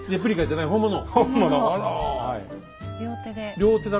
両手で。